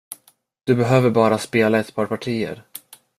Du behöver bara spela ett par partier.